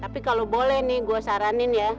tapi kalau boleh nih gue saranin ya